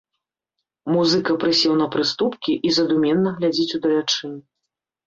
Музыка прысеў на прыступкі і задуменна глядзіць удалячынь.